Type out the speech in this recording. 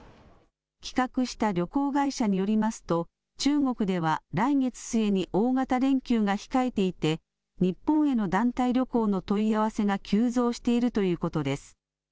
企画した旅行会社によりますと、中国では来月末に大型連休が控えていて、日本への団体旅行の問い合わせが急増しているということです。